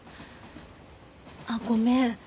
あっごめん。